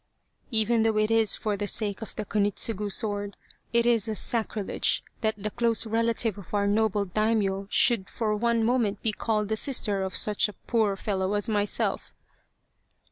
" Even though it is for the sake of the Kunitsugu sword, it is a sacrilege that the close relative of our noble Daimio should for one moment be called the sister of such a poor fellow as myself."